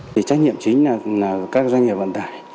thì trách nhiệm chính là các doanh nghiệp vận tải